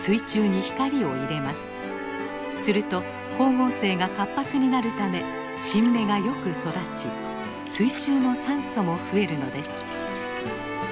すると光合成が活発になるため新芽がよく育ち水中の酸素も増えるのです。